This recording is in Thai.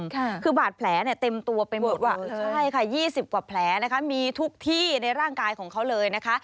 คือบาดแผลเนี่ยเต็มตัวไปหมดอ่ะใช่ค่ะยี่สิบกว่าแผลนะคะมีทุกที่ในร่างกายของเขาเลยนะคะ